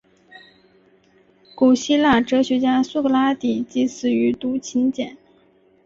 古希腊哲学家苏格拉底即死于毒芹碱。